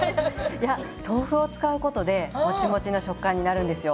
いや豆腐を使うことでモチモチの食感になるんですよ。